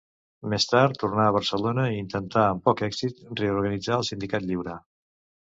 Més tard tornà a Barcelona i intentà, amb poc èxit, reorganitzar el Sindicat Lliure.